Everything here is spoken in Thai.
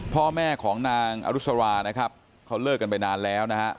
พ่อแม่ของนางอรุษรานะครับเขาเลิกกันไปนานแล้วนะฮะ